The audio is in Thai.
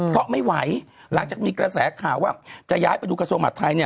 เพราะไม่ไหวหลังจากมีกระแสข่าวว่าจะย้ายไปดูกระทรวงหัสไทยเนี่ย